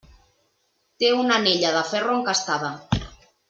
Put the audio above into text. Té una anella de ferro encastada.